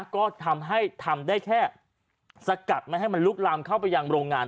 ก็ทำให้ทำได้แค่สกัดไม่ให้มันลุกลามเข้าไปยังโรงงาน